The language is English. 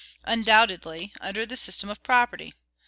Undoubtedly, under the system of property.